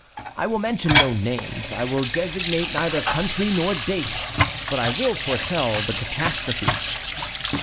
I will mention no names, I will designate neither country nor date, but I will foretell the catastrophe."